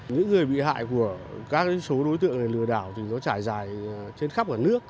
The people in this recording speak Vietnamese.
những người bị hại của các số đối tượng lừa đảo thì nó trải dài trên khắp cả nước